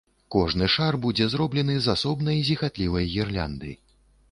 Кожны шар будзе зроблены з асобнай зіхатлівай гірлянды.